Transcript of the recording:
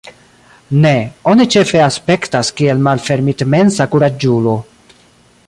Ne, oni ĉefe aspektas kiel malfermitmensa kuraĝulo.